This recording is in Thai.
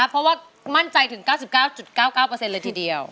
เพราะว่ามั่นใจถึง๙๙๙๙๙เลยทีเดียว